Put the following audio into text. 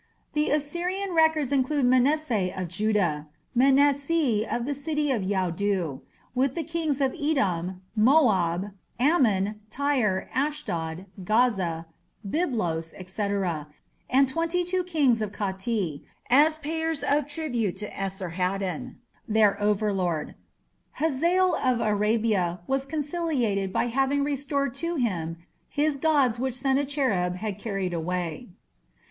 The Assyrian records include Manasseh of Judah (Menasê of the city of Yaudu) with the kings of Edom, Moab, Ammon, Tyre, Ashdod, Gaza, Byblos, &c, and "twenty two kings of Khatti" as payers of tribute to Esarhaddon, their overlord. Hazael of Arabia was conciliated by having restored to him his gods which Sennacherib had carried away.